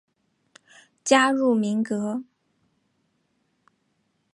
加入民革。